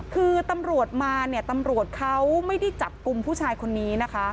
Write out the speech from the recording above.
คือตำรวจมาเนี่ยตำรวจเขาไม่ได้จับกลุ่มผู้ชายคนนี้นะคะ